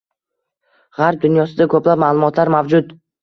Gʻarb dunyosida koʻplab maʼlumotlar mavjud.